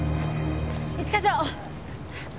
一課長！